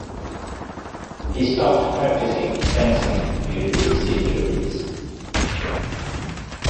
He stopped practising fencing due to his injuries.